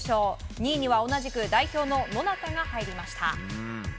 ２位には、同じく代表の野中が入りました。